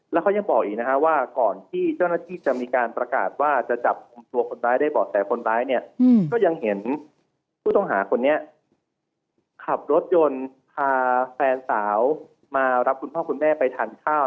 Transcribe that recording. แล้วเขายังบอกอีกนะฮะว่าก่อนที่เจ้าหน้าที่จะมีการประกาศว่าจะจับกลุ่มตัวคนร้ายได้บอกแต่คนร้ายเนี่ยก็ยังเห็นผู้ต้องหาคนนี้ขับรถยนต์พาแฟนสาวมารับคุณพ่อคุณแม่ไปทานข้าว